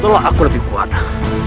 aku harus membantu dia